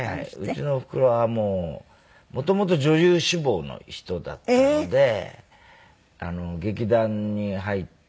うちのおふくろはもうもともと女優志望の人だったので劇団に入ってて。